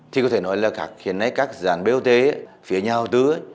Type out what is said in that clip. thì có thể nói là hiện nay các gián bot phía nhà đầu tư